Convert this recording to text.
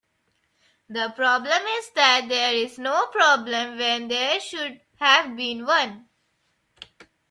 The problem is that there is no problem when there should have been one.